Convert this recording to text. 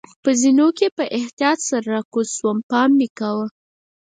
په زینو کې په احتیاط سره راکوز شوم، پام مې کاوه.